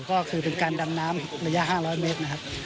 ก็คือเป็นการดำน้ำระยะ๕๐๐เมตรนะครับ